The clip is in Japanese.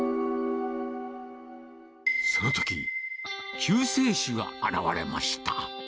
そのとき、救世主が現れました。